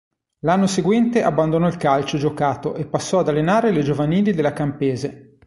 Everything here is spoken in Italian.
L'anno seguente abbandonò il calcio giocato e passò ad allenare le giovanili della Campese.